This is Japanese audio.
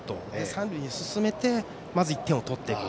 三塁に進めてまず１点を取っている。